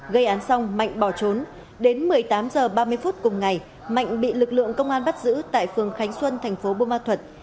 gây án xong mạnh bỏ trốn đến một mươi tám h ba mươi phút cùng ngày mạnh bị lực lượng công an bắt giữ tại phường khánh xuân thành phố bô ma thuật